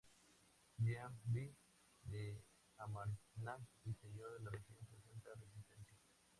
Jean V de Armagnac, el señor de la región, presenta resistencia.